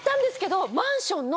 マンションの。